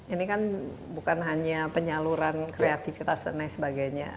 ini kan bukan hanya penyaluran kreativitas dan lain sebagainya